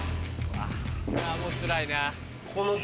あぁもうつらいな。